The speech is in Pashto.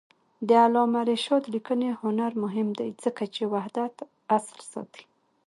د علامه رشاد لیکنی هنر مهم دی ځکه چې وحدت اصل ساتي.